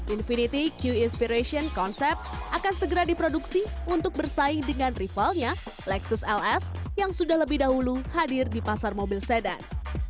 infinity q inspiration concept akan segera diproduksi untuk bersaing dengan rivalnya lexus ls yang sudah lebih dahulu hadir di pasar mobil sedan